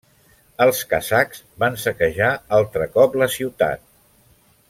Els kazakhs van saquejar altre cop la ciutat.